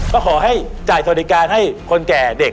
ก็ขอให้จ่ายสวัสดิการให้คนแก่เด็ก